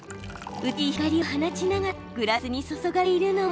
美しい光を放ちながらグラスに注がれているのは。